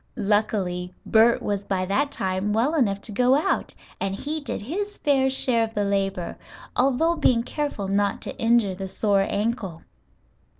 Luckily, Bert was by that time well enough to go out and he did his fair share of the labor, although being careful not to injure the sore ankle.